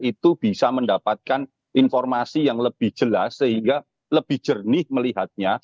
itu bisa mendapatkan informasi yang lebih jelas sehingga lebih jernih melihatnya